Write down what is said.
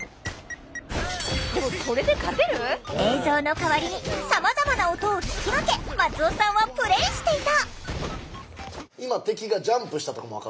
でもそれで勝てる？映像の代わりにさまざまな音を聞き分け松尾さんはプレーしていた。